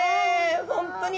本当に。